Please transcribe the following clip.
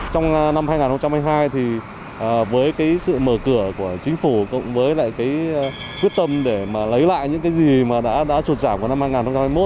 trong năm hai nghìn hai mươi hai thì với sự mở cửa của chính phủ cùng với quyết tâm để lấy lại những gì đã chuột giảm vào năm hai nghìn hai mươi một